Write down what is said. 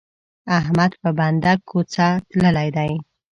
احمد په بنده کوڅه تللی دی.